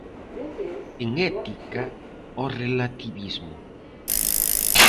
En ética, ao relativismo.